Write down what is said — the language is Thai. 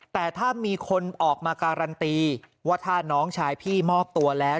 แต่ถ้ามีคนออกมาการันตีว่าถ้าน้องชายพี่มอบตัวแล้ว